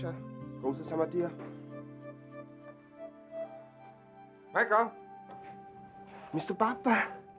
hai kau sama dia hai michael mister papa